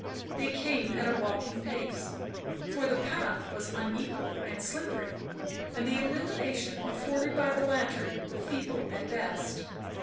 They came at a walking pace, for the path was unequal and slippery, and the illumination afforded by the lantern feeble at best.